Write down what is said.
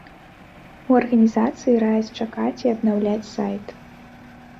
У арганізацыі раяць чакаць і абнаўляць сайт.